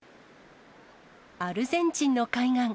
アルゼンチンの海岸。